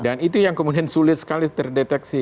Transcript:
dan itu yang kemudian sulit sekali terdeteksi